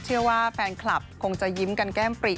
เชื่อว่าแฟนคลับคงจะยิ้มกันแก้มปริ